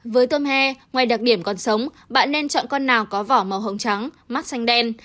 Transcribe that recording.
với tôm he ngoài đặc điểm còn sống bạn nên chọn con nào có vỏ màu hồng trắng mắc xanh đen